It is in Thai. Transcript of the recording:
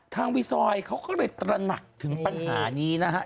รีซอยเขาก็เลยตระหนักถึงปัญหานี้นะฮะ